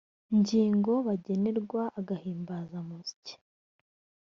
ngingo bagenerwa agahimbazamusyi